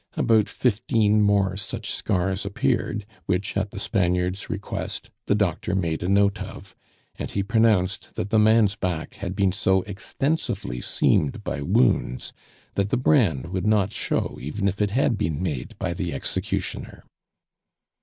About fifteen more such scars appeared, which, at the Spaniard's request, the doctor made a note of; and he pronounced that the man's back had been so extensively seamed by wounds that the brand would not show even if it had been made by the executioner.